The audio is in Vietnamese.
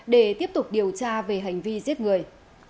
để tiếp tục điều tra về hành vi giết người